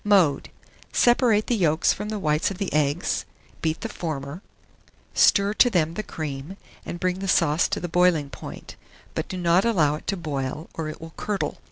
Mode. Separate the yolks from the whites of the eggs; beat the former, stir to them the cream, and bring the sauce to the boiling point, but do not allow it to boil, or it will curdle.